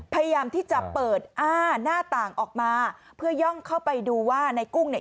พยายามที่จะเปิดอ้าหน้าต่างออกมาเพื่อย่องเข้าไปดูว่าในกุ้งเนี่ย